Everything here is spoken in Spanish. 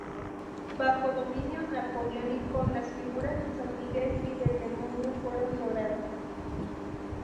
Bajo dominio napoleónico las figuras de San Miguel y del demonio fueron doradas.